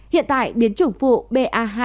hiện tại biến chủng vụ ba hai